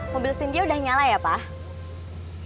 mobil syndro udah nyala ya pak